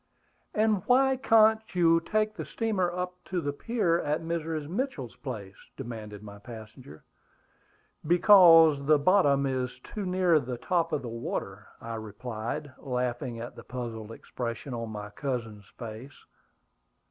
"And why can't you take the steamer up to the pier at Mrs. Mitchell's place?" demanded my passenger. "Because the bottom is too near the top of the water," I replied, laughing at the puzzled expression on my cousin's face.